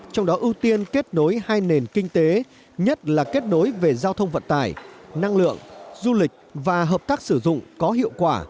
trong đó ưu tiên kết nối hai nền kinh tế nhất là kết nối về giao thông vận tải năng lượng du lịch và hợp tác sử dụng có hiệu quả